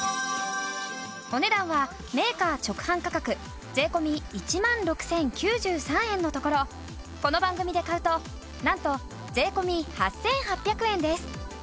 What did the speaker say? お値段はメーカー直販価格税込１万６０９３円のところこの番組で買うとなんと税込８８００円です。